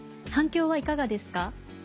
反響はいかがですか？